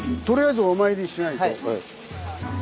とりあえずお参りしないと。